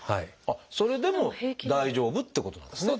それでも大丈夫ってことなんですね。